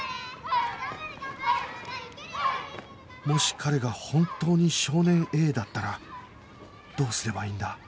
もし彼が本当に少年 Ａ だったらどうすればいいんだ？